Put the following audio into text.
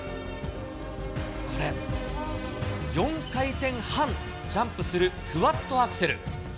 これ、４回転半ジャンプする、クワッドアクセル。